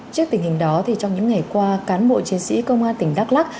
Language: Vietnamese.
trước tình hình đó trong những ngày qua cán bộ chiến sĩ công an tỉnh đắk lắc